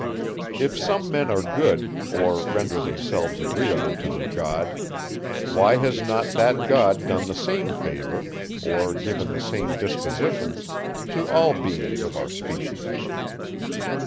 If some men are good, or render themselves agreeable to their God, why has not that God done the same favour, or given the same dispositions to all beings of our species?